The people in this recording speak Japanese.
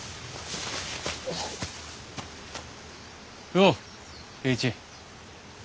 よう栄一。